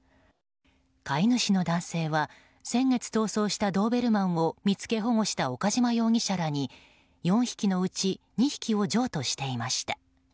飼い主の男性は先月逃走したドーベルマンを見つけ保護した岡島容疑者らに４匹のうち２匹を譲渡していました。